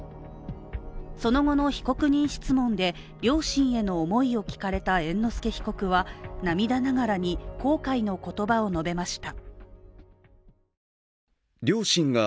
その後の被告人質問で、両親への思いを聞かれた猿之助被告は涙ながらに後悔の言葉を述べました。